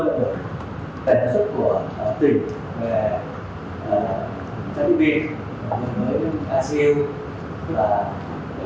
cùng với những chức của đối tượng sẽ có cái công tức phù hợp